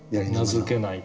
名付けない。